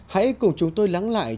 hãy cùng chúng tôi lắng lại